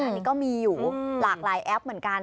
อันนี้ก็มีอยู่หลากหลายแอปเหมือนกัน